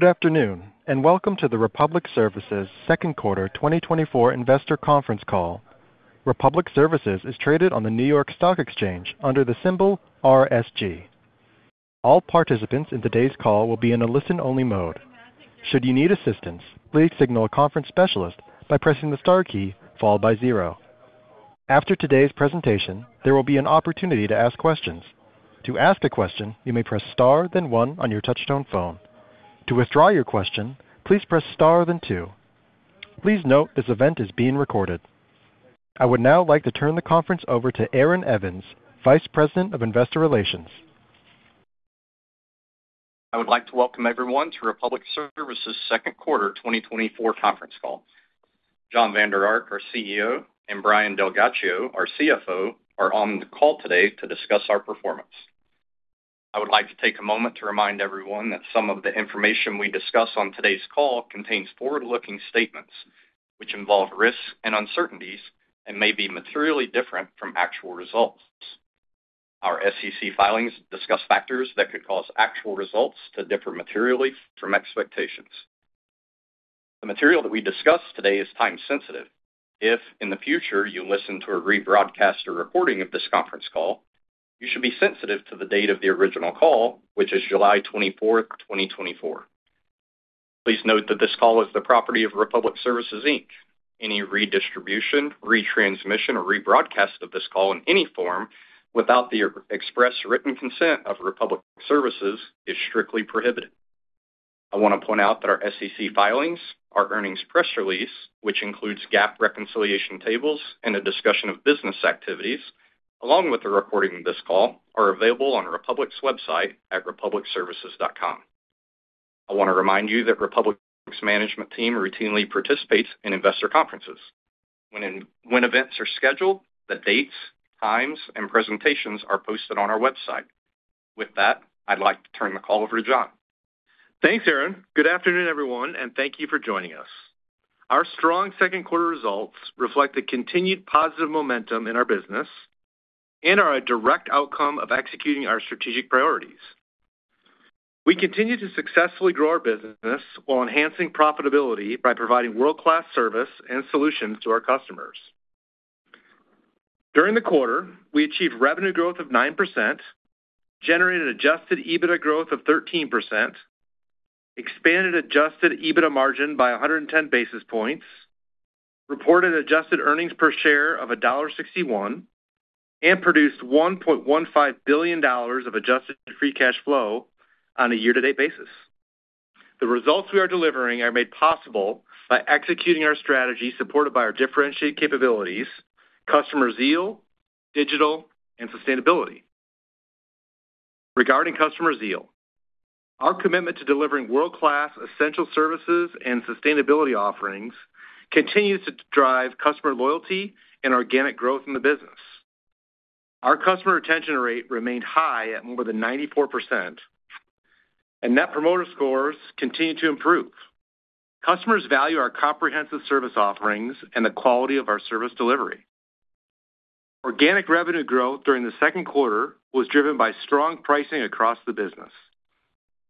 Good afternoon, and welcome to the Republic Services second quarter 2024 investor conference call. Republic Services is traded on the New York Stock Exchange under the symbol RSG. All participants in today's call will be in a listen-only mode. Should you need assistance, please signal a conference specialist by pressing the Star key, followed by zero. After today's presentation, there will be an opportunity to ask questions. To ask a question, you may press Star, then one on your touchtone phone. To withdraw your question, please press Star, then two. Please note, this event is being recorded. I would now like to turn the conference over to Aaron Evans, Vice President of Investor Relations. I would like to welcome everyone to Republic Services second quarter 2024 conference call. Jon Vander Ark, our CEO, and Brian DelGhiaccio, our CFO, are on the call today to discuss our performance. I would like to take a moment to remind everyone that some of the information we discuss on today's call contains forward-looking statements, which involve risks and uncertainties and may be materially different from actual results. Our SEC filings discuss factors that could cause actual results to differ materially from expectations. The material that we discuss today is time sensitive. If, in the future, you listen to a rebroadcast or recording of this conference call, you should be sensitive to the date of the original call, which is July 24, 2024. Please note that this call is the property of Republic Services, Inc. Any redistribution, retransmission, or rebroadcast of this call in any form without the express written consent of Republic Services is strictly prohibited. I want to point out that our SEC filings, our earnings press release, which includes GAAP reconciliation tables and a discussion of business activities, along with the recording of this call, are available on Republic's website at republicservices.com. I want to remind you that Republic's management team routinely participates in investor conferences. When events are scheduled, the dates, times, and presentations are posted on our website. With that, I'd like to turn the call over to Jon. Thanks, Aaron. Good afternoon, everyone, and thank you for joining us. Our strong second quarter results reflect the continued positive momentum in our business and are a direct outcome of executing our strategic priorities. We continue to successfully grow our business while enhancing profitability by providing world-class service and solutions to our customers. During the quarter, we achieved revenue growth of 9%, generated Adjusted EBITDA growth of 13%, expanded Adjusted EBITDA margin by 110 basis points, reported adjusted earnings per share of $1.61, and produced $1.15 billion of adjusted free cash flow on a year-to-date basis. The results we are delivering are made possible by executing our strategy, supported by our differentiated capabilities, Customer Zeal, digital, and sustainability. Regarding Customer Zeal, our commitment to delivering world-class essential services and sustainability offerings continues to drive customer loyalty and organic growth in the business. Our customer retention rate remained high at more than 94%, and Net Promoter Scores continue to improve. Customers value our comprehensive service offerings and the quality of our service delivery. Organic revenue growth during the second quarter was driven by strong pricing across the business.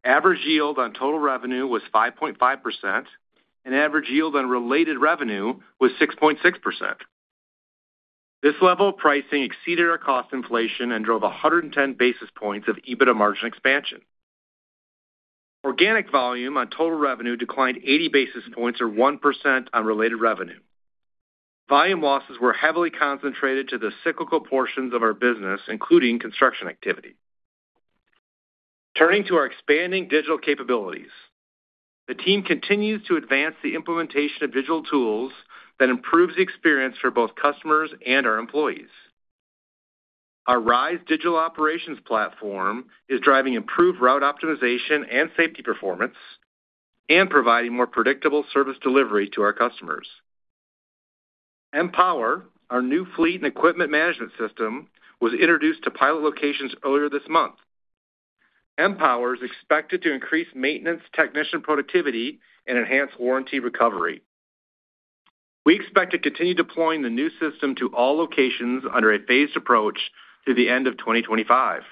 Average yield on total revenue was 5.5%, and average yield on related revenue was 6.6%. This level of pricing exceeded our cost inflation and drove 110 basis points of EBITDA margin expansion. Organic volume on total revenue declined 80 basis points or 1% on related revenue. Volume losses were heavily concentrated to the cyclical portions of our business, including construction activity. Turning to our expanding digital capabilities, the team continues to advance the implementation of digital tools that improves the experience for both customers and our employees. Our RISE Digital Operations platform is driving improved route optimization and safety performance and providing more predictable service delivery to our customers. MPower, our new fleet and equipment management system, was introduced to pilot locations earlier this month. MPower is expected to increase maintenance, technician productivity, and enhance warranty recovery. We expect to continue deploying the new system to all locations under a phased approach through the end of 2025.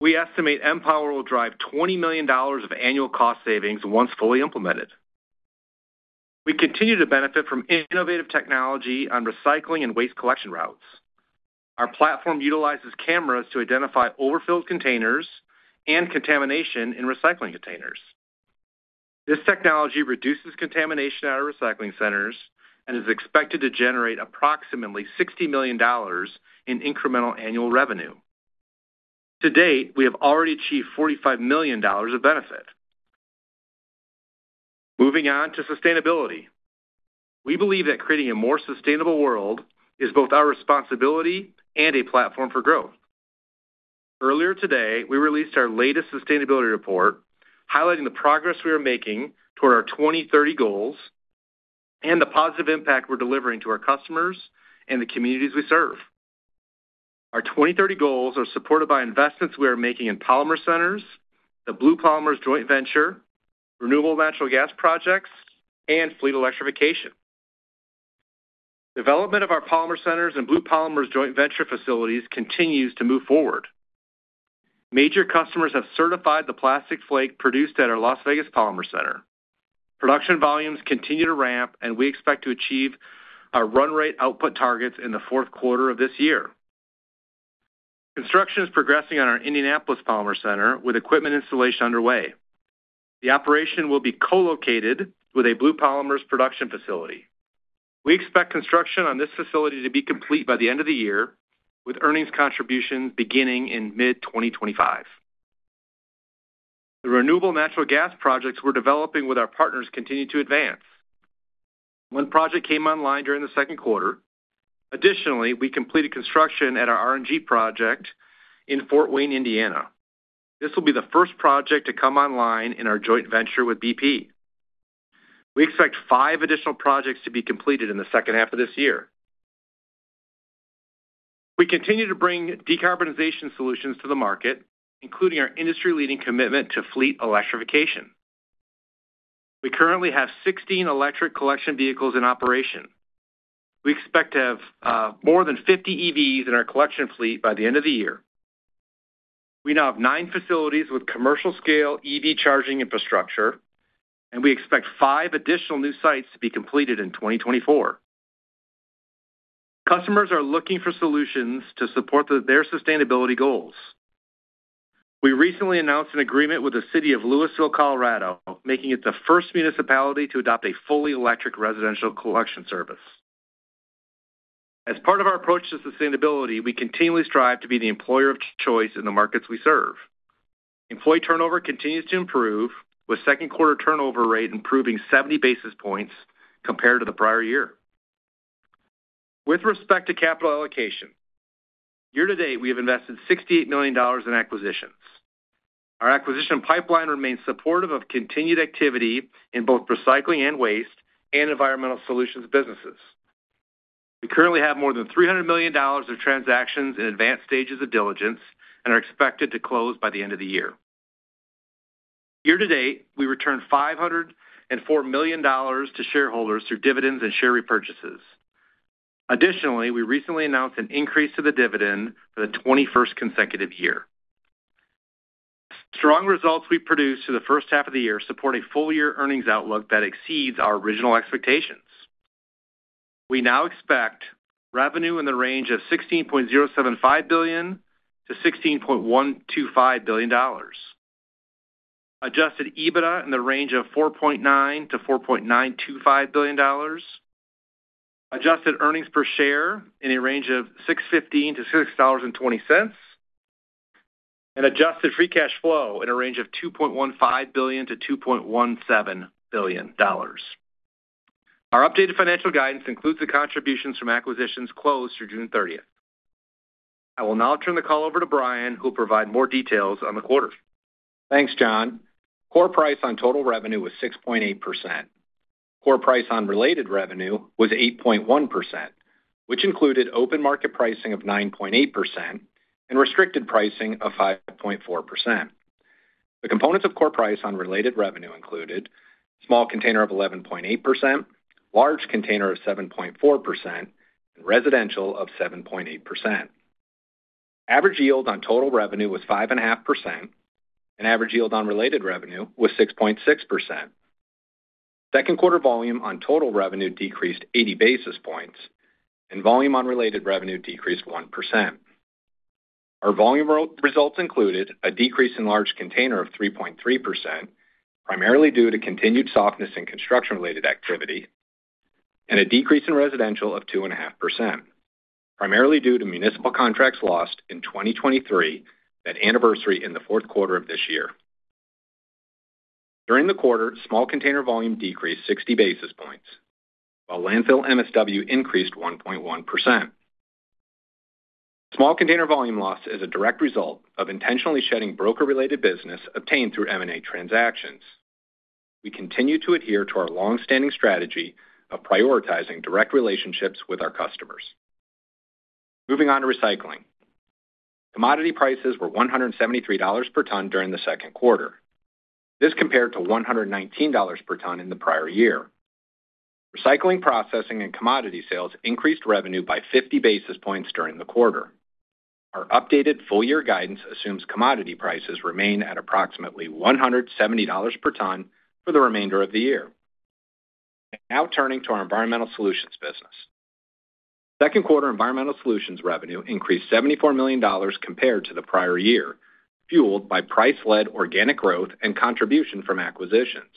We estimate MPower will drive $20 million of annual cost savings once fully implemented. We continue to benefit from innovative technology on recycling and waste collection routes. Our platform utilizes cameras to identify overfilled containers and contamination in recycling containers. This technology reduces contamination at our recycling centers and is expected to generate approximately $60 million in incremental annual revenue. To date, we have already achieved $45 million of benefit. Moving on to sustainability. We believe that creating a more sustainable world is both our responsibility and a platform for growth. Earlier today, we released our latest sustainability report, highlighting the progress we are making toward our 2030 goals and the positive impact we're delivering to our customers and the communities we serve. Our 2030 goals are supported by investments we are making in polymer centers, the Blue Polymers joint venture, renewable natural gas projects, and fleet electrification. Development of our polymer centers and Blue Polymers joint venture facilities continues to move forward. Major customers have certified the plastic flake produced at our Las Vegas Polymer Center. Production volumes continue to ramp, and we expect to achieve our run rate output targets in the fourth quarter of this year. Construction is progressing on our Indianapolis Polymer Center, with equipment installation underway. The operation will be co-located with a Blue Polymers production facility. We expect construction on this facility to be complete by the end of the year, with earnings contributions beginning in mid-2025. The renewable natural gas projects we're developing with our partners continue to advance. One project came online during the second quarter. Additionally, we completed construction at our RNG project in Fort Wayne, Indiana. This will be the first project to come online in our joint venture with BP. We expect five additional projects to be completed in the second half of this year. We continue to bring decarbonization solutions to the market, including our industry-leading commitment to fleet electrification. We currently have 16 electric collection vehicles in operation. We expect to have more than 50 EVs in our collection fleet by the end of the year. We now have 9 facilities with commercial-scale EV charging infrastructure, and we expect 5 additional new sites to be completed in 2024. Customers are looking for solutions to support their sustainability goals. We recently announced an agreement with the City of Louisville, Colorado, making it the first municipality to adopt a fully electric residential collection service. As part of our approach to sustainability, we continually strive to be the employer of choice in the markets we serve. Employee turnover continues to improve, with second quarter turnover rate improving 70 basis points compared to the prior year. With respect to capital allocation, year to date, we have invested $68 million in acquisitions. Our acquisition pipeline remains supportive of continued activity in both recycling and waste and Environmental Solutions businesses. We currently have more than $300 million of transactions in advanced stages of diligence and are expected to close by the end of the year. Year to date, we returned $504 million to shareholders through dividends and share repurchases. Additionally, we recently announced an increase to the dividend for the 21st consecutive year. Strong results we produced through the first half of the year support a full year earnings outlook that exceeds our original expectations. We now expect revenue in the range of $16.075 billion-$16.125 billion. Adjusted EBITDA in the range of $4.9 billion-$4.925 billion. Adjusted Earnings Per Share in a range of $6.15-$6.20, and Adjusted Free Cash Flow in a range of $2.15 billion-$2.17 billion. Our updated financial guidance includes the contributions from acquisitions closed through June thirtieth. I will now turn the call over to Brian, who will provide more details on the quarter. Thanks, Jon. Core price on total revenue was 6.8%. Core price on related revenue was 8.1%, which included open market pricing of 9.8% and restricted pricing of 5.4%. The components of core price on related revenue included: small container of 11.8%, large container of 7.4%, and residential of 7.8%. Average yield on total revenue was 5.5%, and average yield on related revenue was 6.6%. Second quarter volume on total revenue decreased 80 basis points, and volume on related revenue decreased 1%. Our volume results included a decrease in large container of 3.3%, primarily due to continued softness in construction-related activity, and a decrease in residential of 2.5%, primarily due to municipal contracts lost in 2023 that anniversary in the fourth quarter of this year. During the quarter, small container volume decreased 60 basis points, while landfill MSW increased 1.1%. Small container volume loss is a direct result of intentionally shedding broker-related business obtained through M&A transactions. We continue to adhere to our long-standing strategy of prioritizing direct relationships with our customers. Moving on to recycling. Commodity prices were $173 per ton during the second quarter. This compared to $119 per ton in the prior year. Recycling, processing, and commodity sales increased revenue by 50 basis points during the quarter. Our updated full-year guidance assumes commodity prices remain at approximately $170 per ton for the remainder of the year. Now, turning to our Environmental Solutions business. Second quarter Environmental Solutions revenue increased $74 million compared to the prior year, fueled by price-led organic growth and contribution from acquisitions.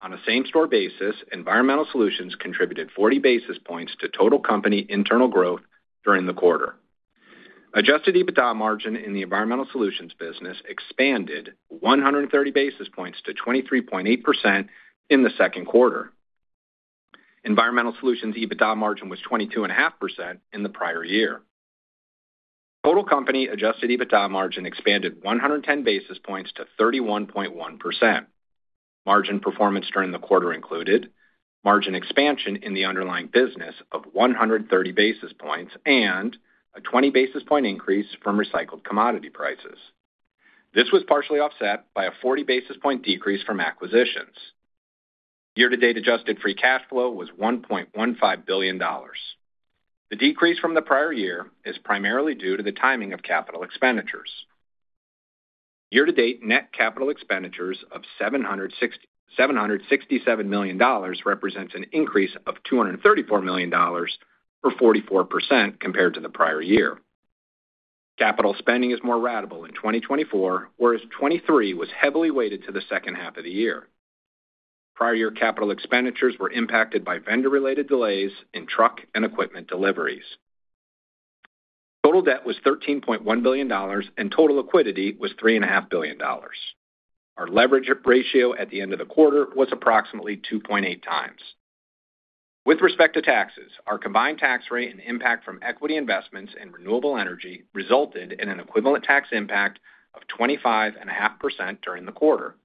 On a same-store basis, Environmental Solutions contributed 40 basis points to total company internal growth during the quarter. Adjusted EBITDA margin in the Environmental Solutions business expanded 130 basis points to 23.8% in the second quarter. Environmental Solutions EBITDA margin was 22.5% in the prior year. Total company Adjusted EBITDA margin expanded 110 basis points to 31.1%. Margin performance during the quarter included margin expansion in the underlying business of 130 basis points and a 20 basis point increase from recycled commodity prices. ...This was partially offset by a 40 basis point decrease from acquisitions. Year-to-date adjusted free cash flow was $1.15 billion. The decrease from the prior year is primarily due to the timing of capital expenditures. Year-to-date net capital expenditures of $767 million represents an increase of $234 million, or 44% compared to the prior year. Capital spending is more ratable in 2024, whereas 2023 was heavily weighted to the second half of the year. Prior year capital expenditures were impacted by vendor-related delays in truck and equipment deliveries. Total debt was $13.1 billion, and total liquidity was $3.5 billion. Our leverage ratio at the end of the quarter was approximately 2.8 times. With respect to taxes, our combined tax rate and impact from equity investments in renewable energy resulted in an equivalent tax impact of 25.5% during the quarter.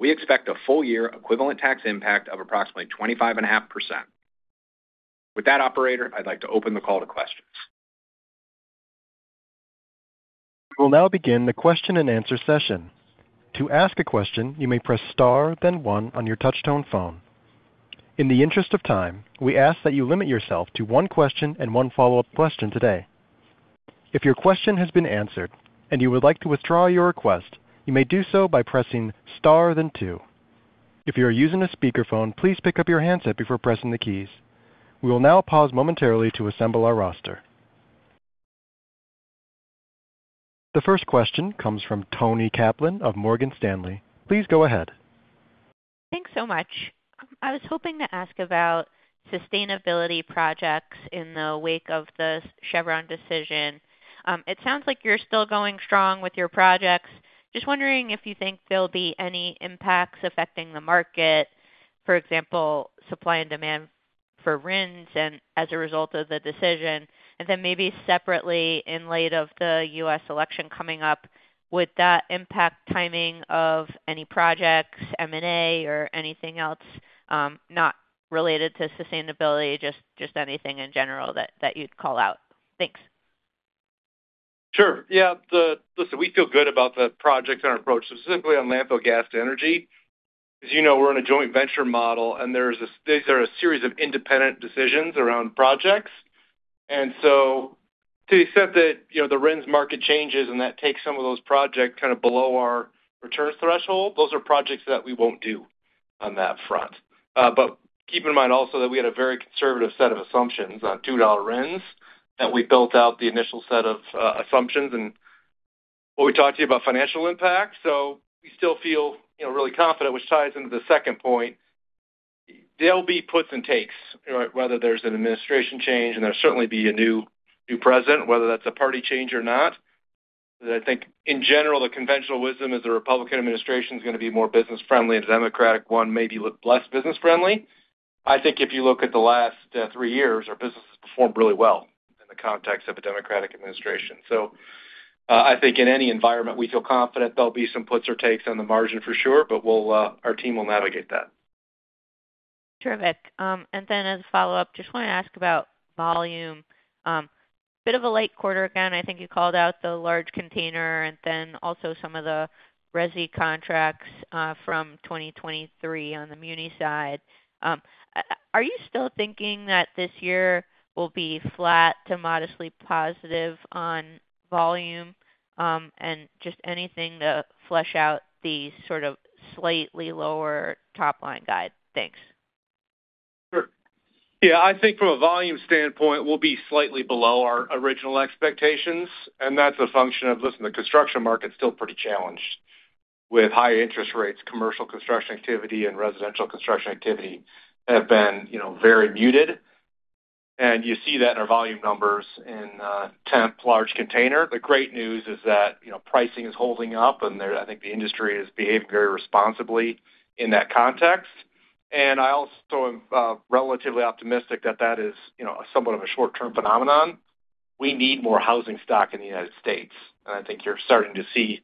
We expect a full year equivalent tax impact of approximately 25.5%. With that, operator, I'd like to open the call to questions. We will now begin the question-and-answer session. To ask a question, you may press star, then one on your touchtone phone. In the interest of time, we ask that you limit yourself to one question and one follow-up question today. If your question has been answered and you would like to withdraw your request, you may do so by pressing star then two. If you are using a speakerphone, please pick up your handset before pressing the keys. We will now pause momentarily to assemble our roster. The first question comes from Toni Kaplan of Morgan Stanley. Please go ahead. Thanks so much. I was hoping to ask about sustainability projects in the wake of the Chevron decision. It sounds like you're still going strong with your projects. Just wondering if you think there'll be any impacts affecting the market, for example, supply and demand for RINs and as a result of the decision, and then maybe separately, in light of the U.S. election coming up, would that impact timing of any projects, M&A, or anything else, not related to sustainability, just, just anything in general that, that you'd call out? Thanks. Sure. Yeah, listen, we feel good about the projects and our approach, specifically on landfill gas-to-energy. As you know, we're in a joint venture model, and there's a, these are a series of independent decisions around projects. And so to the extent that, you know, the RINs market changes, and that takes some of those projects kind of below our return threshold, those are projects that we won't do on that front. But keep in mind also that we had a very conservative set of assumptions on $2 RINs, that we built out the initial set of assumptions and what we talked to you about financial impact. So we still feel, you know, really confident, which ties into the second point. There'll be puts and takes, right? Whether there's an administration change, and there'll certainly be a new, new president, whether that's a party change or not. I think in general, the conventional wisdom is the Republican administration is gonna be more business-friendly and Democratic one may be less business-friendly. I think if you look at the last three years, our business has performed really well in the context of a Democratic administration. So, I think in any environment, we feel confident there'll be some puts or takes on the margin for sure, but we'll, our team will navigate that. Terrific. And then as a follow-up, just wanna ask about volume. Bit of a light quarter. Again, I think you called out the large container and then also some of the resi contracts from 2023 on the muni side. Are you still thinking that this year will be flat to modestly positive on volume? And just anything to flesh out the sort of slightly lower top-line guide. Thanks. Sure. Yeah, I think from a volume standpoint, we'll be slightly below our original expectations, and that's a function of, listen, the construction market's still pretty challenged. With high interest rates, commercial construction activity and residential construction activity have been, you know, very muted, and you see that in our volume numbers in temp large container. The great news is that, you know, pricing is holding up, and there, I think the industry is behaving very responsibly in that context. And I also am relatively optimistic that that is, you know, somewhat of a short-term phenomenon. We need more housing stock in the United States, and I think you're starting to see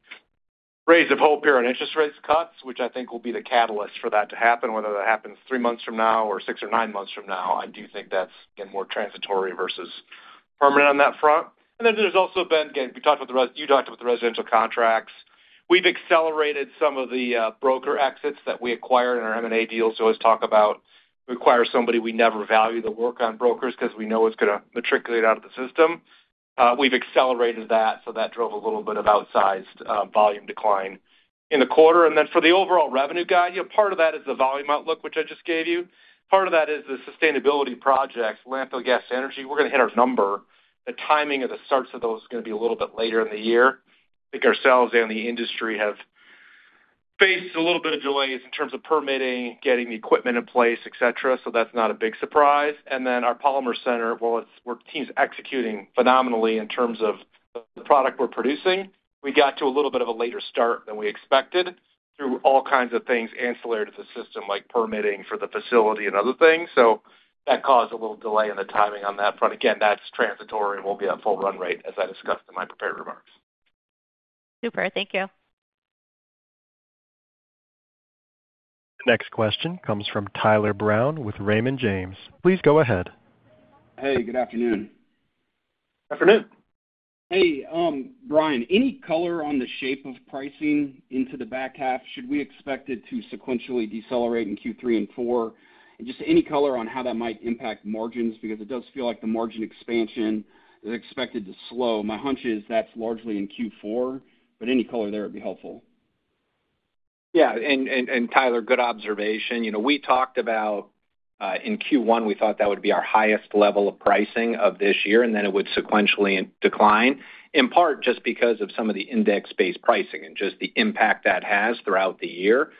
rays of hope here on interest rate cuts, which I think will be the catalyst for that to happen, whether that happens three months from now or six or nine months from now. I do think that's, again, more transitory versus permanent on that front. And then there's also been, again, we talked about the—you talked about the residential contracts. We've accelerated some of the broker exits that we acquired in our M&A deals. So let's talk about we acquire somebody we never value the work on brokers because we know it's gonna migrate out of the system. We've accelerated that, so that drove a little bit of outsized volume decline in the quarter. And then for the overall revenue guide, yeah, part of that is the volume outlook, which I just gave you. Part of that is the sustainability projects, landfill gas energy. We're gonna hit our number. The timing of the starts of those is gonna be a little bit later in the year. I think ourselves and the industry have faced a little bit of delays in terms of permitting, getting the equipment in place, et cetera, so that's not a big surpRISE. And then our Polymer Center, well, it's, we're teams executing phenomenally in terms of the product we're producing. We got to a little bit of a later start than we expected through all kinds of things ancillary to the system, like permitting for the facility and other things. So that caused a little delay in the timing on that front. Again, that's transitory and we'll be at full run rate, as I discussed in my prepared remarks. Super. Thank you. ...The next question comes from Tyler Brown with Raymond James. Please go ahead. Hey, good afternoon. Good afternoon. Hey, Brian, any color on the shape of pricing into the back half? Should we expect it to sequentially decelerate in Q3 and 4? And just any color on how that might impact margins, because it does feel like the margin expansion is expected to slow. My hunch is that's largely in Q4, but any color there would be helpful. Yeah, and, and, and Tyler, good observation. You know, we talked about in Q1, we thought that would be our highest level of pricing of this year, and then it would sequentially decline, in part just because of some of the index-based pricing and just the impact that has throughout the year.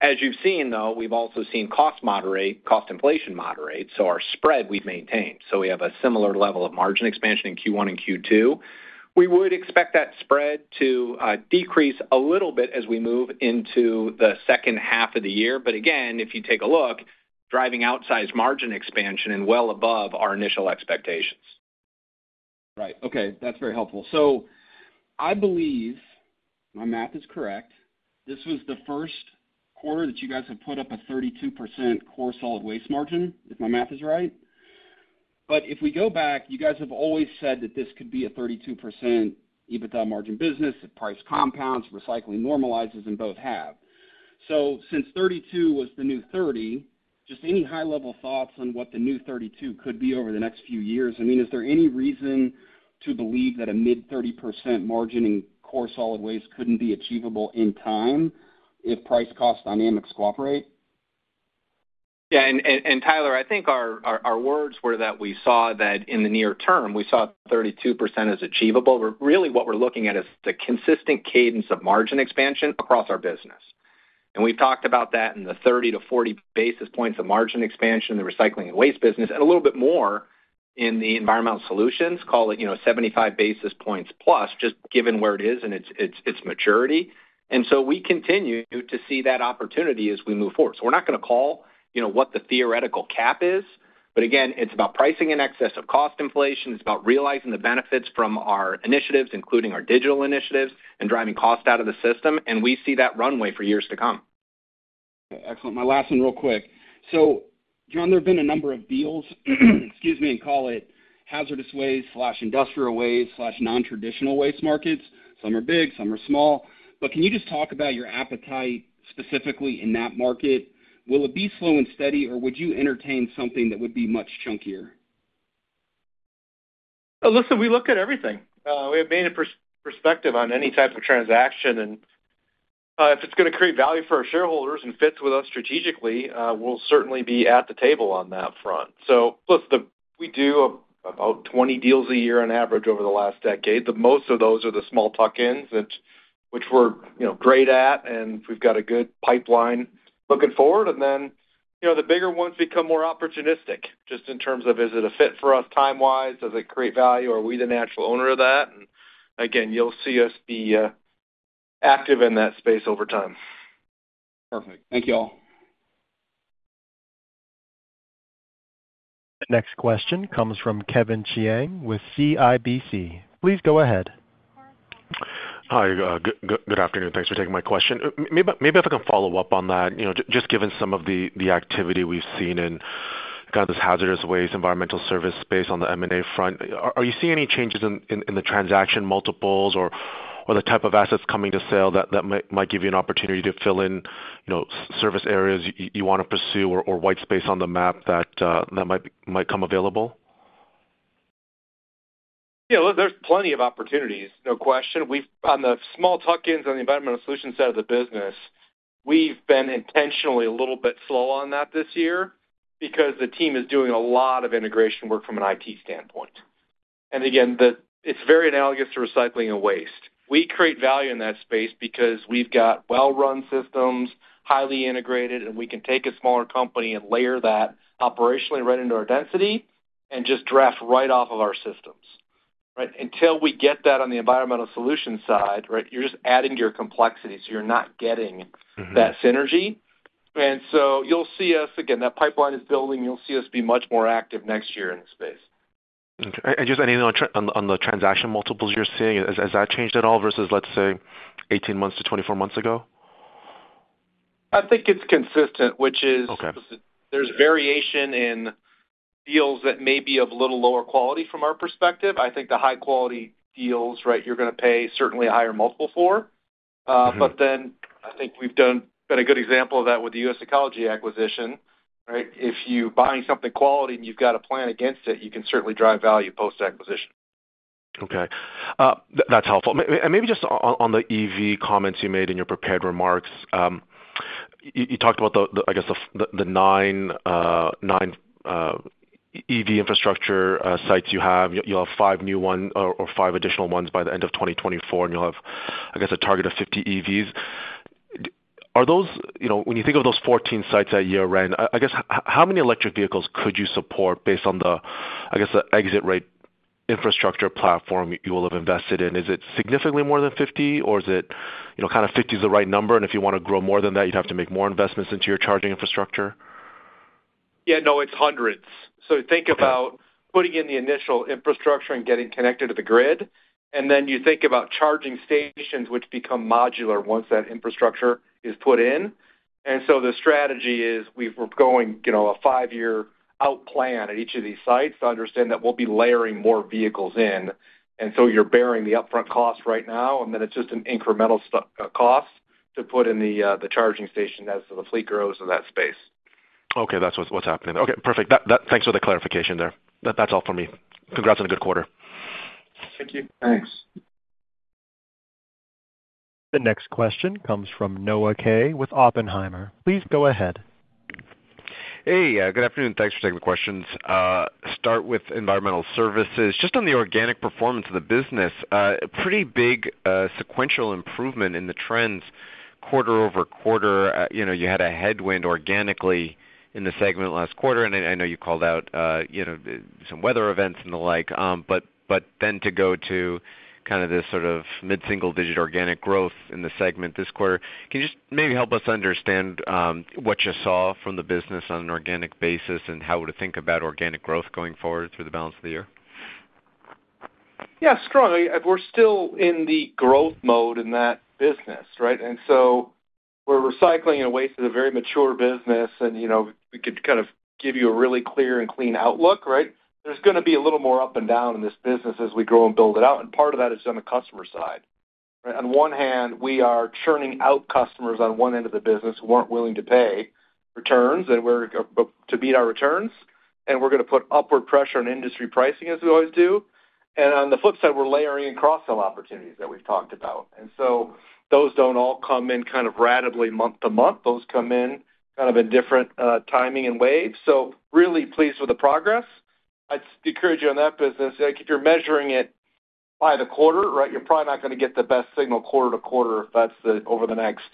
As you've seen, though, we've also seen costs moderate, cost inflation moderate, so our spread we've maintained. So we have a similar level of margin expansion in Q1 and Q2. We would expect that spread to decrease a little bit as we move into the second half of the year. But again, if you take a look, driving outsized margin expansion and well above our initial expectations. Right. Okay, that's very helpful. So I believe my math is correct. This was the first quarter that you guys have put up a 32% core solid waste margin, if my math is right. But if we go back, you guys have always said that this could be a 32% EBITDA margin business. If price compounds, recycling normalizes, and both have. So since 32 was the new 30, just any high-level thoughts on what the new 32 could be over the next few years? I mean, is there any reason to believe that a mid-30% margin in core solid waste couldn't be achievable in time if price cost dynamics cooperate? Yeah, and Tyler, I think our words were that we saw that in the near term, we saw 32% as achievable. But really what we're looking at is the consistent cadence of margin expansion across our business. We've talked about that in the 30-40 basis points of margin expansion, the recycling and waste business, and a little bit more in the Environmental Solutions, call it, you know, 75 basis points plus, just given where it is and its maturity. So we continue to see that opportunity as we move forward. So we're not going to call, you know, what the theoretical cap is, but again, it's about pricing in excess of cost inflation. It's about realizing the benefits from our initiatives, including our digital initiatives, and driving cost out of the system, and we see that runway for years to come. Okay, excellent. My last one, real quick: So Jon, there have been a number of deals, excuse me, and call it hazardous waste/industrial waste/nontraditional waste markets. Some are big, some are small. But can you just talk about your appetite, specifically in that market? Will it be slow and steady, or would you entertain something that would be much chunkier? Listen, we look at everything. We have made a perspective on any type of transaction, and if it's going to create value for our shareholders and fits with us strategically, we'll certainly be at the table on that front. So look, we do about 20 deals a year on average over the last decade, but most of those are the small tuck-ins, which we're, you know, great at, and we've got a good pipeline looking forward. And then, you know, the bigger ones become more opportunistic, just in terms of, is it a fit for us time-wise? Does it create value? Are we the natural owner of that? And again, you'll see us be active in that space over time. Perfect. Thank you all. The next question comes from Kevin Chiang with CIBC. Please go ahead. Hi, good afternoon. Thanks for taking my question. Maybe if I can follow up on that, you know, just given some of the activity we've seen in kind of this hazardous waste, environmental service space on the M&A front, are you seeing any changes in the transaction multiples or the type of assets coming to sale that might give you an opportunity to fill in, you know, service areas you want to pursue or white space on the map that might come available? Yeah, look, there's plenty of opportunities, no question. We've on the small tuck-ins on the Environmental Solutions side of the business, we've been intentionally a little bit slow on that this year because the team is doing a lot of integration work from an IT standpoint. And again, the it's very analogous to recycling and waste. We create value in that space because we've got well-run systems, highly integrated, and we can take a smaller company and layer that operationally right into our density and just draft right off of our systems, right? Until we get that on the environmental solution side, right, you're just adding to your complexity, so you're not getting- that synergy. And so you'll see us... Again, that pipeline is building. You'll see us be much more active next year in this space. Okay. And just any on the transaction multiples you're seeing, has that changed at all versus, let's say, 18 months to 24 months ago? I think it's consistent, which is- Okay. There's variation in deals that may be of a little lower quality from our perspective. I think the high-quality deals, right, you're going to pay certainly a higher multiple for. But then I think we've been a good example of that with the U.S. Ecology acquisition, right? If you're buying something quality and you've got a plan against it, you can certainly drive value post-acquisition. Okay. That, that's helpful. Maybe just on the EV comments you made in your prepared remarks. You talked about the, the, I guess, the, the 9 EV infrastructure sites you have. You'll have five new ones or five additional ones by the end of 2024, and you'll have, I guess, a target of 50 EVs. Are those... You know, when you think of those 14 sites that you ran, I guess, how many electric vehicles could you support based on the, I guess, the existing infrastructure platform you will have invested in? Is it significantly more than 50, or is it, you know, kind of 50 is the right number, and if you want to grow more than that, you'd have to make more investments into your charging infrastructure?... Yeah, no, it's hundreds. So think about putting in the initial infrastructure and getting connected to the grid, and then you think about charging stations, which become modular once that infrastructure is put in. And so the strategy is we're going, you know, a 5-year outplan at each of these sites to understand that we'll be layering more vehicles in. And so you're bearing the upfront cost right now, and then it's just an incremental cost to put in the charging station as the fleet grows in that space. Okay, that's what's happening. Okay, perfect. Thanks for the clarification there. That's all for me. Congrats on a good quarter. Thank you. Thanks. The next question comes from Noah Kaye with Oppenheimer. Please go ahead. Hey, good afternoon. Thanks for taking the questions. Start with environmental services. Just on the organic performance of the business, a pretty big, sequential improvement in the trends quarter-over-quarter. You know, you had a headwind organically in the segment last quarter, and I know you called out, you know, some weather events and the like. But then to go to kind of this sort of mid-single digit organic growth in the segment this quarter, can you just maybe help us understand, what you saw from the business on an organic basis, and how to think about organic growth going forward through the balance of the year? Yeah, strongly, we're still in the growth mode in that business, right? And so we're recycling in a way to the very mature business, and, you know, we could kind of give you a really clear and clean outlook, right? There's gonna be a little more up and down in this business as we grow and build it out, and part of that is on the customer side, right? On one hand, we are churning out customers on one end of the business who weren't willing to pay returns, and we're, but to beat our returns, and we're gonna put upward pressure on industry pricing, as we always do. And on the flip side, we're layering in cross-sell opportunities that we've talked about. And so those don't all come in kind of ratably month to month. Those come in kind of in different timing and waves. So really pleased with the progress. I'd encourage you on that business, like, if you're measuring it by the quarter, right, you're probably not gonna get the best signal quarter to quarter if that's the over the next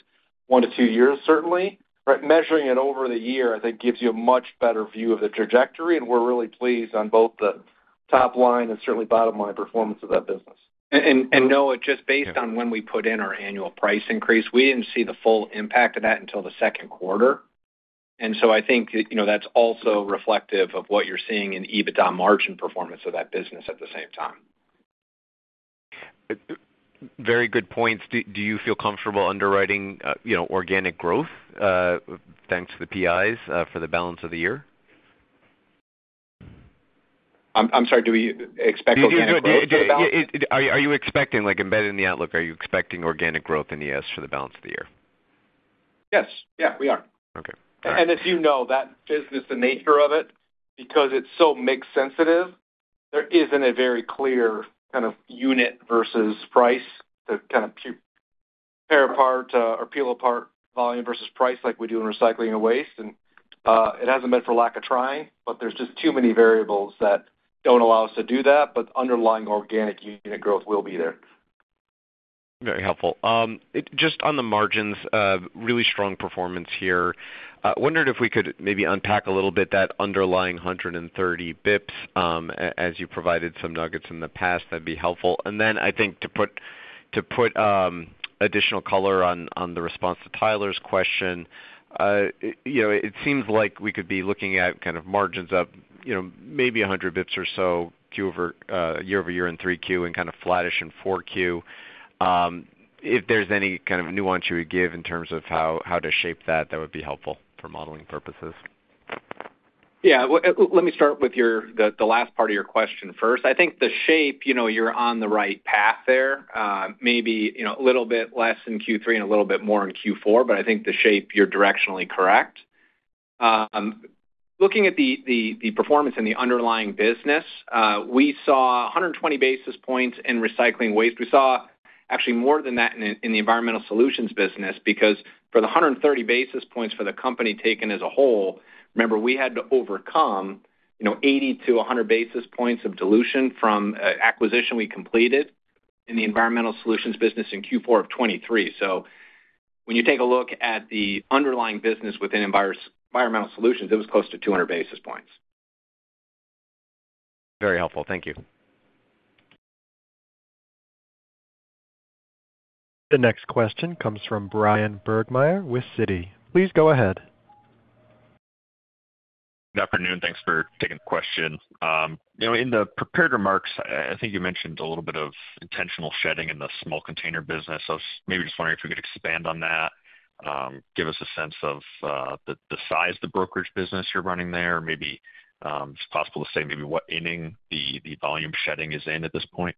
1-2 years, certainly. But measuring it over the year, I think, gives you a much better view of the trajectory, and we're really pleased on both the top line and certainly bottom line performance of that business. And, Noah, just based on when we put in our annual price increase, we didn't see the full impact of that until the second quarter. And so I think, you know, that's also reflective of what you're seeing in EBITDA margin performance of that business at the same time. Very good points. Do you feel comfortable underwriting, you know, organic growth, thanks to the PIs, for the balance of the year? I'm sorry, do we expect organic growth for the balance? Are you, are you expecting, like, embedded in the outlook, are you expecting organic growth in the ES for the balance of the year? Yes. Yeah, we are. Okay. All right. As you know, that business, the nature of it, because it's so mix sensitive, there isn't a very clear kind of unit versus price to kind of tear apart, or peel apart volume versus price like we do in recycling and waste. It hasn't been for lack of trying, but there's just too many variables that don't allow us to do that, but underlying organic unit growth will be there. Very helpful. Just on the margins of really strong performance here, I wondered if we could maybe unpack a little bit that underlying 130 basis points, as you provided some nuggets in the past, that'd be helpful. And then, I think, to put additional color on the response to Tyler's question, you know, it seems like we could be looking at kind of margins up, you know, maybe 100 basis points or so, Q-over-Q year-over-year in 3Q and kind of flattish in 4Q. If there's any kind of nuance you would give in terms of how to shape that, that would be helpful for modeling purposes. Yeah. Well, let me start with the last part of your question first. I think the shape, you know, you're on the right path there. Maybe, you know, a little bit less in Q3 and a little bit more in Q4, but I think the shape, you're directionally correct. Looking at the performance and the underlying business, we saw 120 basis points in recycling waste. We saw actually more than that in the Environmental Solutions business, because for the 130 basis points for the company taken as a whole, remember, we had to overcome, you know, 80-100 basis points of dilution from acquisition we completed in the Environmental Solutions business in Q4 of 2023. So when you take a look at the underlying business within Environmental Solutions, it was close to 200 basis points. Very helpful. Thank you. The next question comes from Bryan Burgmeier with Citi. Please go ahead. Good afternoon. Thanks for taking the question. You know, in the prepared remarks, I think you mentioned a little bit of intentional shedding in the small container business. So maybe just wondering if you could expand on that, give us a sense of the size of the brokerage business you're running there. Maybe it's possible to say maybe what inning the volume shedding is in at this point?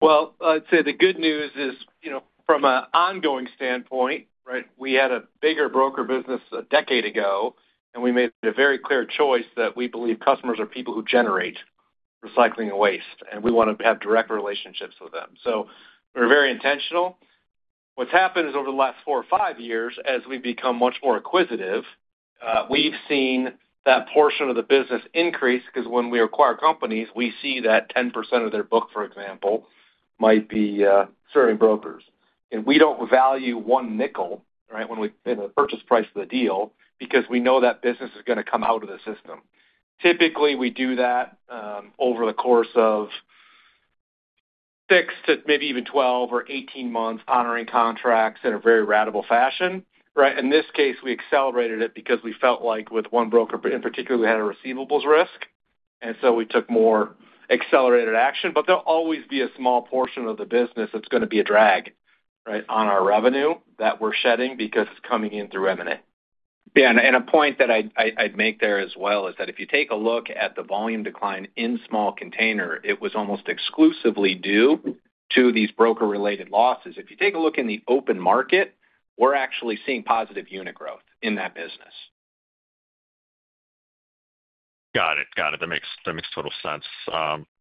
Well, I'd say the good news is, you know, from an ongoing standpoint, right, we had a bigger broker business a decade ago, and we made a very clear choice that we believe customers are people who generate recycling and waste, and we want to have direct relationships with them. So we're very intentional. What's happened is over the last four or five years, as we've become much more acquisitive, we've seen that portion of the business increase, 'cause when we acquire companies, we see that 10% of their book, for example, might be serving brokers. And we don't value one nickel, right, when we-- in the purchase price of the deal, because we know that business is gonna come out of the system. Typically, we do that over the course of,... 6 to maybe even 12 or 18 months honoring contracts in a very ratable fashion, right? In this case, we accelerated it because we felt like with one broker, but in particular, we had a receivables risk, and so we took more accelerated action. But there'll always be a small portion of the business that's going to be a drag, right, on our revenue that we're shedding because it's coming in through M&A. Yeah, a point that I'd make there as well is that if you take a look at the volume decline in Small Container, it was almost exclusively due to these broker-related losses. If you take a look in the open market, we're actually seeing positive unit growth in that business. Got it. Got it. That makes, that makes total sense.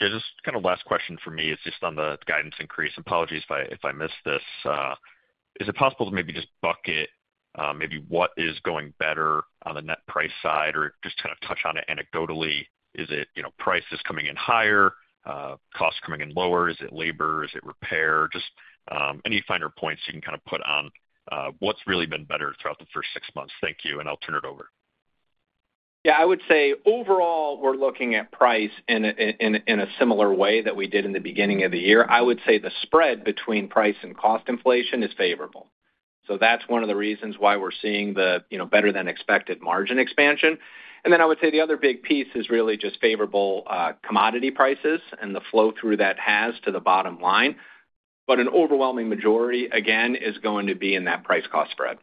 Just kind of last question for me is just on the guidance increase. Apologies if I, if I missed this. Is it possible to maybe just bucket, maybe what is going better on the net price side, or just kind of touch on it anecdotally? Is it, you know, prices coming in higher, costs coming in lower? Is it labor? Is it repair? Just, any finer points you can kind of put on, what's really been better throughout the first six months. Thank you, and I'll turn it over. Yeah, I would say overall, we're looking at price in a similar way that we did in the beginning of the year. I would say the spread between price and cost inflation is favorable. So that's one of the reasons why we're seeing the, you know, better-than-expected margin expansion. And then I would say the other big piece is really just favorable commodity prices and the flow-through that has to the bottom line. But an overwhelming majority, again, is going to be in that price cost spread.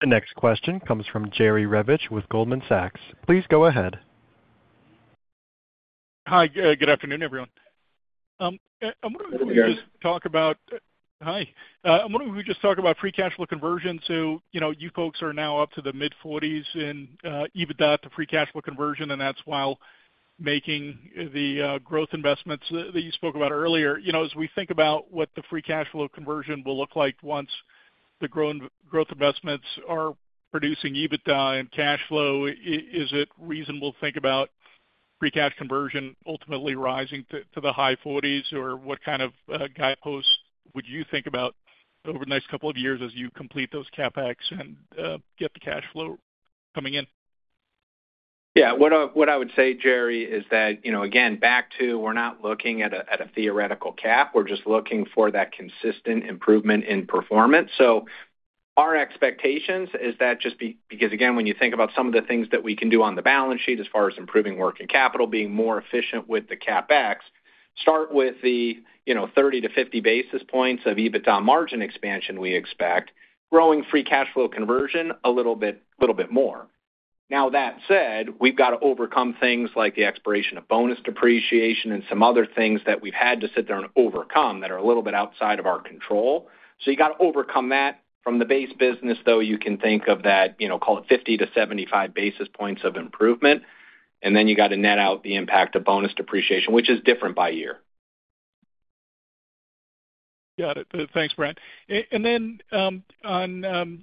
The next question comes from Jerry Revich with Goldman Sachs. Please go ahead. Hi, good afternoon, everyone. I'm wondering- Hi, Jerry. Hi. I wonder if we just talk about free cash flow conversion. So you know, you folks are now up to the mid-40s in EBITDA, the free cash flow conversion, and that's while making the growth investments that you spoke about earlier. You know, as we think about what the free cash flow conversion will look like once the growth investments are producing EBITDA and cash flow, is it reasonable to think about free cash conversion ultimately rising to the high 40s? Or what kind of guideposts would you think about over the next couple of years as you complete those CapEx and get the cash flow coming in? Yeah. What I would say, Jerry, is that, you know, again, back to we're not looking at a theoretical cap. We're just looking for that consistent improvement in performance. So our expectations is that just because, again, when you think about some of the things that we can do on the balance sheet as far as improving working capital, being more efficient with the CapEx, start with the, you know, 30-50 basis points of EBITDA margin expansion we expect, growing free cash flow conversion a little bit, little bit more. Now, that said, we've got to overcome things like the expiration of bonus depreciation and some other things that we've had to sit there and overcome that are a little bit outside of our control. So you got to overcome that. From the base business, though, you can think of that, you know, call it 50-75 basis points of improvement, and then you got to net out the impact of bonus depreciation, which is different by year. Got it. Thanks, Brent. And then, on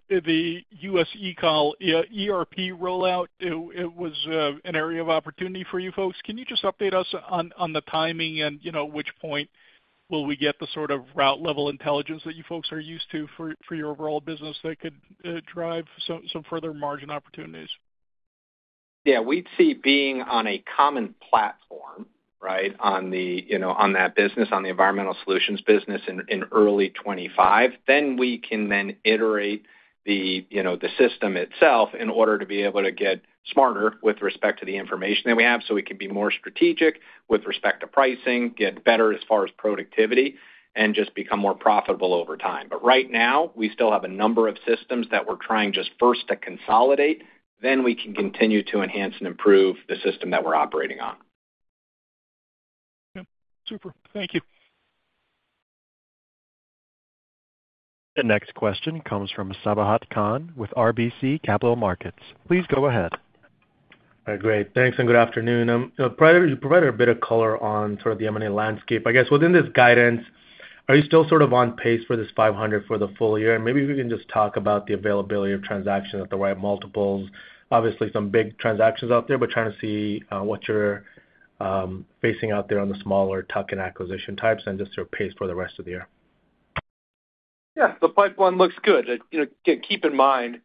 the U.S. Ecology ERP rollout, it was an area of opportunity for you folks. Can you just update us on the timing and, you know, which point will we get the sort of route level intelligence that you folks are used to for your overall business that could drive some further margin opportunities? Yeah. We'd see being on a common platform, right, on the, you know, on that business, on the Environmental Solutions business in, in early 2025. Then we can then iterate the, you know, the system itself in order to be able to get smarter with respect to the information that we have, so we can be more strategic with respect to pricing, get better as far as productivity, and just become more profitable over time. But right now, we still have a number of systems that we're trying just first to consolidate, then we can continue to enhance and improve the system that we're operating on. Yeah. Super. Thank you. The next question comes from Sabahat Khan with RBC Capital Markets. Please go ahead. Great. Thanks, and good afternoon. Prior you provided a bit of color on sort of the M&A landscape. I guess within this guidance, are you still sort of on pace for this $500 for the full year? And maybe if you can just talk about the availability of transactions at the right multiples. Obviously, some big transactions out there, but trying to see what you're facing out there on the smaller tuck-in acquisition types and just your pace for the rest of the year. Yeah, the pipeline looks good. You know, keep in mind,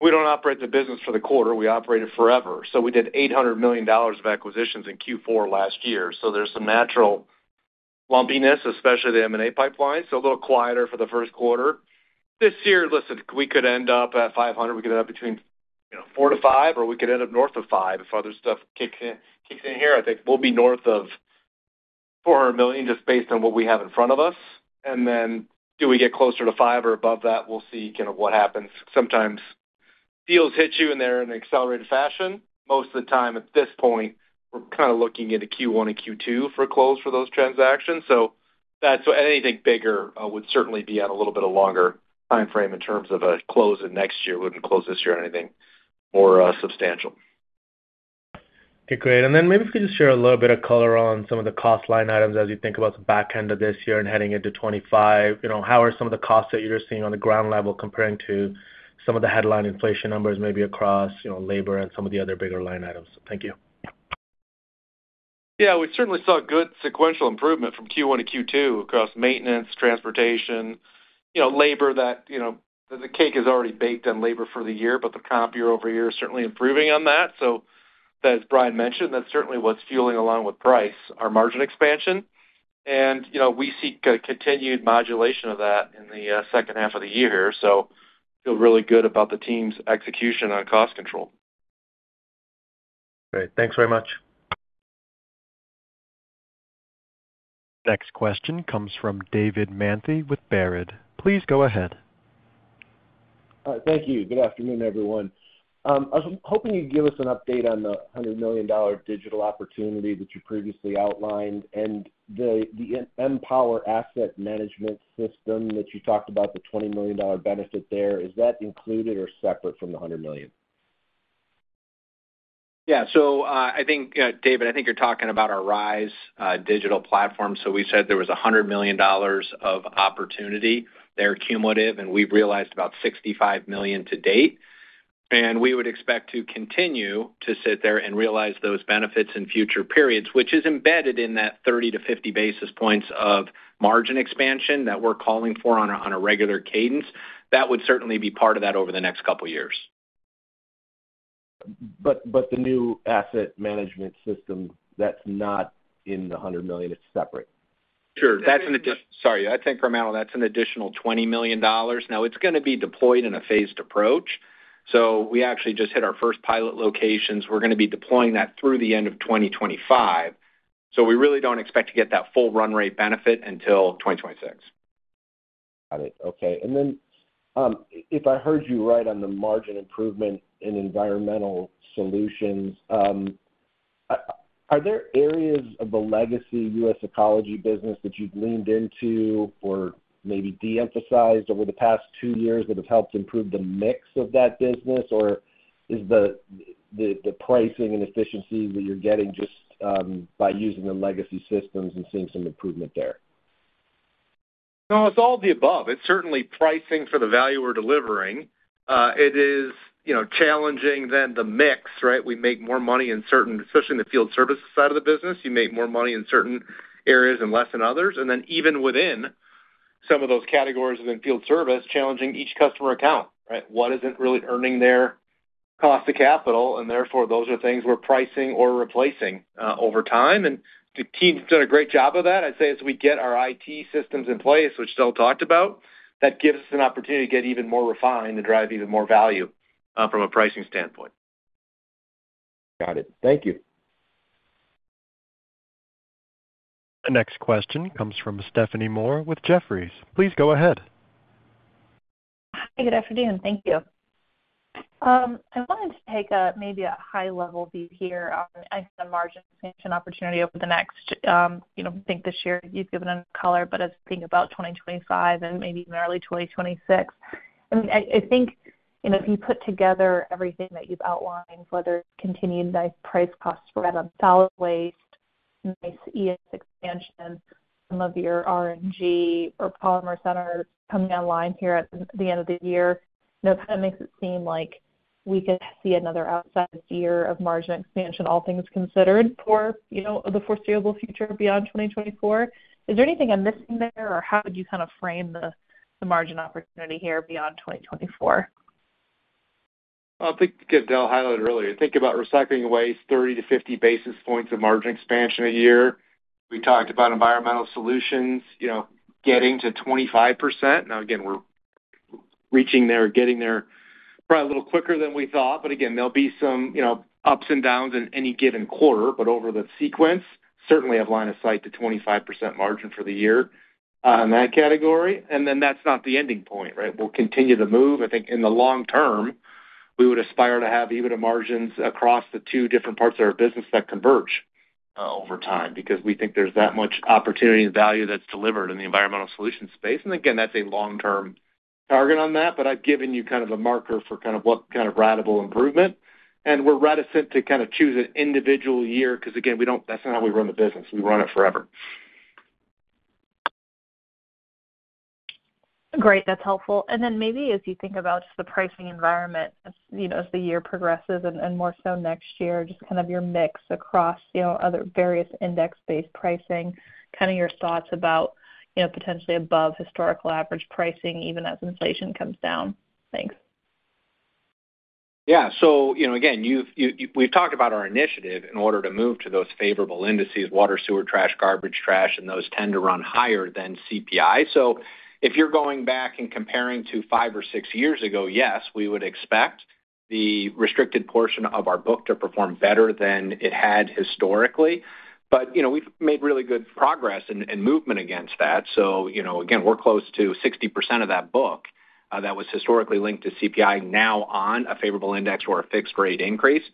we don't operate the business for the quarter. We operate it forever. So we did $800 million of acquisitions in Q4 last year, so there's some natural lumpiness, especially the M&A pipeline, so a little quieter for the first quarter. This year, listen, we could end up at $500 million, we could end up between, you know, $400 million-$500 million, or we could end up north of $500 million if other stuff kicks in, kicks in here. I think we'll be north of $400 million, just based on what we have in front of us. And then do we get closer to $500 million or above that? We'll see kind of what happens. Sometimes deals hit you, and they're in an accelerated fashion. Most of the time, at this point, we're kind of looking into Q1 and Q2 for close for those transactions. So anything bigger would certainly be at a little bit of longer timeframe in terms of a close in next year, wouldn't close this year or anything more substantial. Okay, great. And then maybe if you could just share a little bit of color on some of the cost line items as you think about the back end of this year and heading into 25. You know, how are some of the costs that you're seeing on the ground level comparing to some of the headline inflation numbers, maybe across, you know, labor and some of the other bigger line items? Thank you.... Yeah, we certainly saw good sequential improvement from Q1 to Q2 across maintenance, transportation, you know, labor that, you know, the cake is already baked on labor for the year, but the comp year-over-year is certainly improving on that. So as Brian mentioned, that's certainly what's fueling, along with price, our margin expansion. And, you know, we seek a continued modulation of that in the second half of the year. So feel really good about the team's execution on cost control. Great. Thanks very much. Next question comes from David Mantey with Baird. Please go ahead. Thank you. Good afternoon, everyone. I was hoping you'd give us an update on the $100 million digital opportunity that you previously outlined and the MPower asset management system that you talked about, the $20 million benefit there, is that included or separate from the $100 million? Yeah. So, I think, David, I think you're talking about our RISE digital platform. So we said there was $100 million of opportunity. They're cumulative, and we've realized about $65 million to date. And we would expect to continue to sit there and realize those benefits in future periods, which is embedded in that 30-50 basis points of margin expansion that we're calling for on a regular cadence. That would certainly be part of that over the next couple years. But the new asset management system, that's not in the $100 million, it's separate? Sure. Sorry, I think, David, that's an additional $20 million. Now, it's gonna be deployed in a phased approach, so we actually just hit our first pilot locations. We're gonna be deploying that through the end of 2025. So we really don't expect to get that full run rate benefit until 2026. Got it. Okay. And then, if I heard you right on the margin improvement in Environmental Solutions, are there areas of the legacy U.S. Ecology business that you've leaned into or maybe de-emphasized over the past two years that have helped improve the mix of that business? Or is the pricing and efficiency that you're getting just by using the legacy systems and seeing some improvement there? No, it's all the above. It's certainly pricing for the value we're delivering. It is, you know, challenging then the mix, right? We make more money in certain, especially in the field service side of the business, you make more money in certain areas and less than others. And then even within some of those categories and then field service, challenging each customer account, right? What isn't really earning their cost of capital, and therefore, those are things we're pricing or replacing over time, and the team's done a great job of that. I'd say as we get our IT systems in place, which Del talked about, that gives us an opportunity to get even more refined to drive even more value from a pricing standpoint. Got it. Thank you. The next question comes from Stephanie Moore with Jefferies. Please go ahead. Hi, good afternoon. Thank you. I wanted to take a maybe a high-level view here on, I think, the margin expansion opportunity over the next, you know, I think this year you've given us color, but as we think about 2025 and maybe even early 2026. I mean, I, I think, you know, if you put together everything that you've outlined, whether it's continued nice price cost spread on solid waste, nice ES expansion, some of your RNG or Polymer Center coming online here at the end of the year, you know, it kind of makes it seem like we could see another outsized year of margin expansion, all things considered, for, you know, the foreseeable future beyond 2024. Is there anything I'm missing there, or how would you kind of frame the, the margin opportunity here beyond 2024? I think, again, Del highlighted earlier, think about recycling waste, 30-50 basis points of margin expansion a year. We talked about Environmental Solutions, you know, getting to 25%. Now, again, we're reaching there, getting there probably a little quicker than we thought. But again, there'll be some, you know, ups and downs in any given quarter, but over the sequence, certainly have line of sight to 25% margin for the year in that category. And then that's not the ending point, right? We'll continue to move. I think in the long term, we would aspire to have EBITDA margins across the two different parts of our business that converge over time, because we think there's that much opportunity and value that's delivered in the Environmental Solutions space. Again, that's a long-term target on that, but I've given you kind of a marker for kind of what kind of ratable improvement. We're reticent to kind of choose an individual year because, again, we don't, that's not how we run the business. We run it forever. Great. That's helpful. Then maybe as you think about the pricing environment, as, you know, as the year progresses and more so next year, just kind of your mix across, you know, other various index-based pricing, kind of your thoughts about, you know, potentially above historical average pricing, even as inflation comes down. Thanks. Yeah. So, you know, again, we've talked about our initiative in order to move to those favorable indices, water, sewer, trash, garbage, trash, and those tend to run higher than CPI. So if you're going back and comparing to five or six years ago, yes, we would expect the restricted portion of our book to perform better than it had historically. But, you know, we've made really good progress and movement against that. So, you know, again, we're close to 60% of that book that was historically linked to CPI now on a favorable index or a fixed rate increase.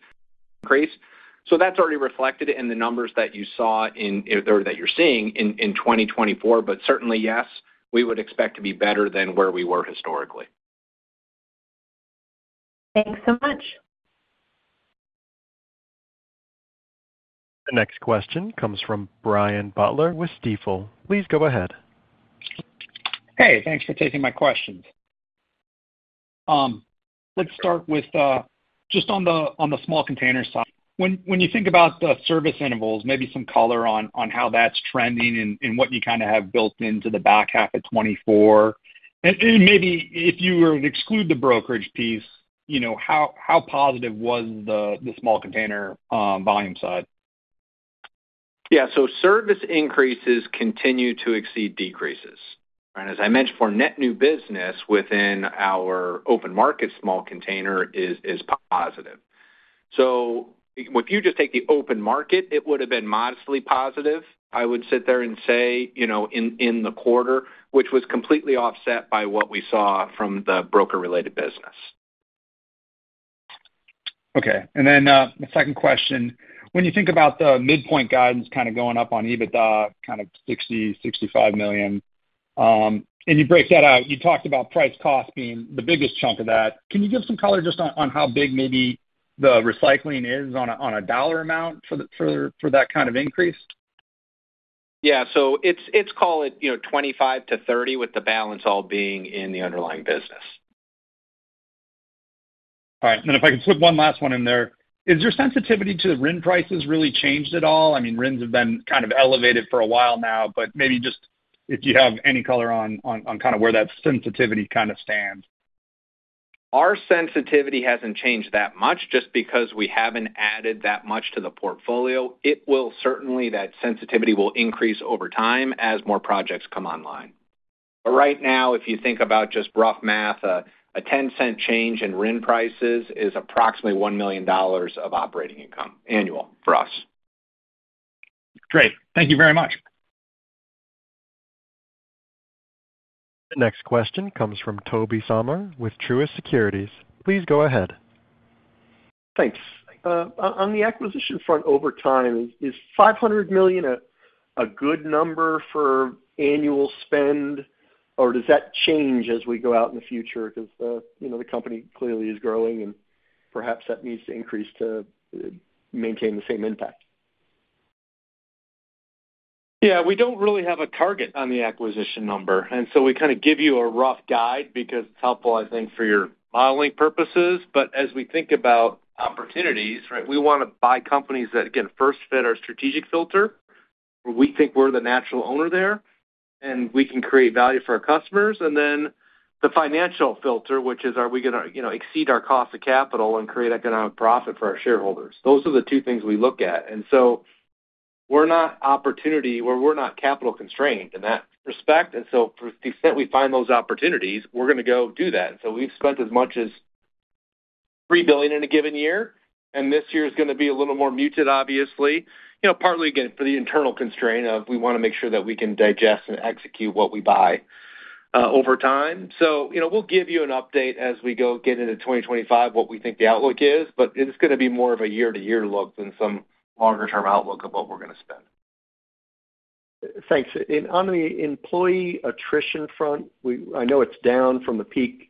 So that's already reflected in the numbers that you saw in or that you're seeing in 2024. But certainly, yes, we would expect to be better than where we were historically. Thanks so much. The next question comes from Brian Butler with Stifel. Please go ahead. Hey, thanks for taking my questions. Let's start with just on the small container side. When you think about the service intervals, maybe some color on how that's trending and what you kind of have built into the back half of 2024. And maybe if you were to exclude the brokerage piece, you know, how positive was the small container volume side? Yeah, so service increases continue to exceed decreases, right? As I mentioned, for net new business within our open market, small container is positive. So if you just take the open market, it would have been modestly positive. I would sit there and say, you know, in the quarter, which was completely offset by what we saw from the broker-related business. Okay. And then, the second question: when you think about the midpoint guidance kind of going up on EBITDA, kind of $60 million-$65 million, and you break that out, you talked about price cost being the biggest chunk of that. Can you give some color just on, on how big maybe the recycling is on a, on a dollar amount for the, for, for that kind of increase? Yeah. So it's call it, you know, 25-30, with the balance all being in the underlying business. All right. And then if I can slip one last one in there, has your sensitivity to the RIN prices really changed at all? I mean, RINs have been kind of elevated for a while now, but maybe just if you have any color on kind of where that sensitivity kind of stands. Our sensitivity hasn't changed that much just because we haven't added that much to the portfolio. It will certainly, that sensitivity will increase over time as more projects come online. But right now, if you think about just rough math, a 10-cent change in RIN prices is approximately $1 million of operating income annually for us. Great. Thank you very much. Next question comes from Tobey Sommer with Truist Securities. Please go ahead. Thanks. On the acquisition front, over time, is $500 million a good number for annual spend, or does that change as we go out in the future? Because, you know, the company clearly is growing, and perhaps that needs to increase to maintain the same impact. Yeah, we don't really have a target on the acquisition number, and so we kind of give you a rough guide because it's helpful, I think, for your modeling purposes. But as we think about opportunities, right, we wanna buy companies that, again, first fit our strategic filter, where we think we're the natural owner there, and we can create value for our customers. And then the financial filter, which is, are we gonna, you know, exceed our cost of capital and create economic profit for our shareholders? Those are the two things we look at, and so we're not opportunity, or we're not capital constrained in that respect. And so to the extent we find those opportunities, we're gonna go do that. So we've spent as much as $3 billion in a given year, and this year is gonna be a little more muted, obviously. You know, partly, again, for the internal constraint of we wanna make sure that we can digest and execute what we buy over time. So, you know, we'll give you an update as we go get into 2025, what we think the outlook is, but it's gonna be more of a year-to-year look than some longer term outlook of what we're gonna spend. Thanks. On the employee attrition front, I know it's down from the peak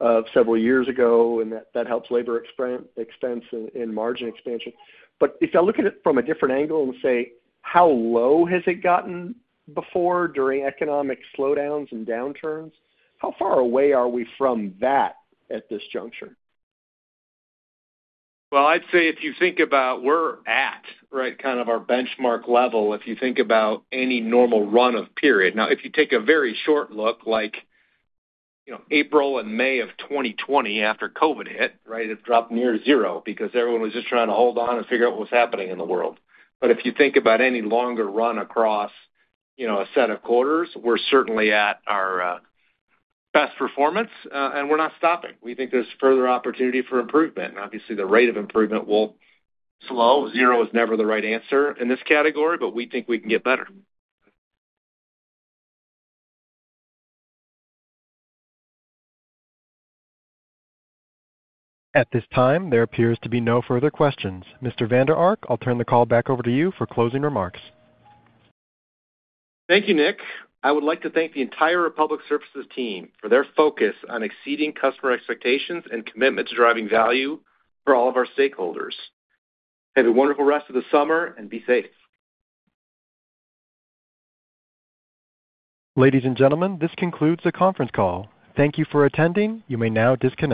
of several years ago, and that helps labor expense and margin expansion. But if I look at it from a different angle and say: How low has it gotten before during economic slowdowns and downturns? How far away are we from that at this juncture? Well, I'd say if you think about we're at, right, kind of our benchmark level, if you think about any normal run of period. Now, if you take a very short look, like, you know, April and May of 2020, after COVID hit, right, it dropped near zero because everyone was just trying to hold on and figure out what was happening in the world. But if you think about any longer run across, you know, a set of quarters, we're certainly at our best performance, and we're not stopping. We think there's further opportunity for improvement. Obviously, the rate of improvement will slow. Zero is never the right answer in this category, but we think we can get better. At this time, there appears to be no further questions. Mr. Vander Ark, I'll turn the call back over to you for closing remarks. Thank you, Nick. I would like to thank the entire Republic Services team for their focus on exceeding customer expectations and commitment to driving value for all of our stakeholders. Have a wonderful rest of the summer, and be safe. Ladies and gentlemen, this concludes the conference call. Thank you for attending. You may now disconnect.